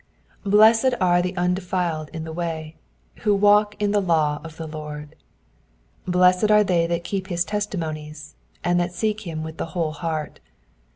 BLESSED are the undefiled in the way, who walk in the law of the Lord. 2 Blessed are they that keep his testimonies, and that seek him with the whole heart.